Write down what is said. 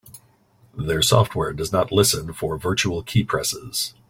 Their software does not listen for virtual keypresses.